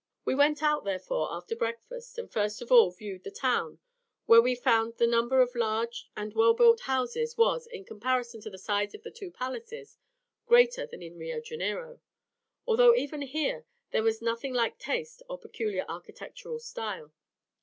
We went out, therefore, after breakfast, and first of all viewed the town: where we found that the number of large and well built houses was, in comparison to the size of the two places, greater than in Rio Janeiro, although even here, there was nothing like taste or peculiar architectural style.